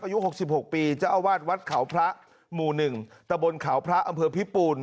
อายุหกสิบหกปีเจ้าอาวาสวัดขาวพระหมู่หนึ่งตะบนขาวพระอำเภอพิปูน